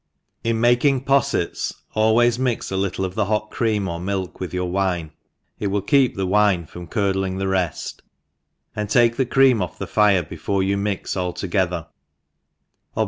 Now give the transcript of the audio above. IN making pofTets, always mix a little of die hot creun or milk with your wine, it will keep the wine from curdling the reft, and take the cream off the fice before you mix all toge ther« ENGLISH HOUSE KEEFER; 3^9 tlicr.